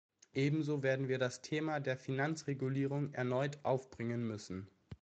Ebenso werden wir das Thema der Finanzregulierung erneut aufbringen müssen.